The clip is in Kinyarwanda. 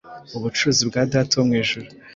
Ubucuruzi bwa Data wo mwijuru!